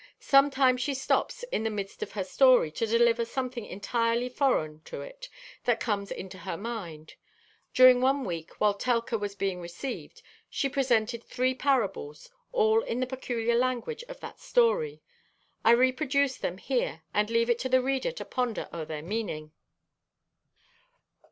Sometimes she stops in the midst of her story to deliver something entirely foreign to it that comes into her mind. During one week, while "Telka" was being received, she presented three parables, all in the peculiar language of that story. I reproduce them here and leave it to the reader to ponder o'er their meaning.